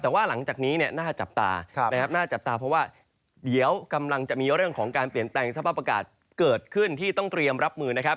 แต่ว่าหลังจากนี้น่าจับตาเกี่ยวกำลังจะมีเรื่องของการเปลี่ยนเปลี่ยนสภาพประกาศเกิดขึ้นที่ต้องเตรียมรับมือนะครับ